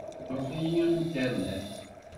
Tṛuḥ-iyi Internet.